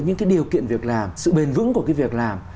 những cái điều kiện việc làm sự bền vững của cái việc làm